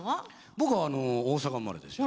僕はあの大阪生まれですよ。